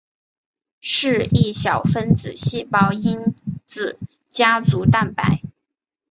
是一小分子细胞因子家族蛋白。